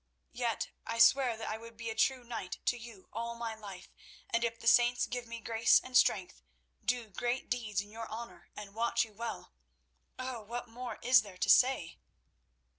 Yet I swear that I would be a true knight to you all my life, and, if the saints give me grace and strength, do great deeds in your honour and watch you well. Oh! what more is there to say?"